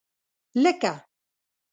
لکه